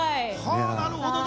なるほどね。